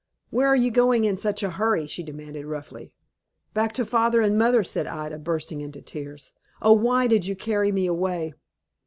"Where are you going in such a hurry?" she demanded, roughly. "Back to father and mother," said Ida, bursting into tears. "Oh, why did you carry me away?"